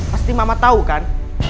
pasti mama tau kan